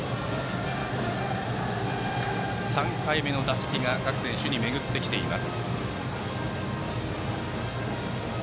３回目の打席が各選手に巡ってきています。